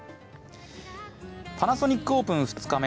パナソニックオープン２日目。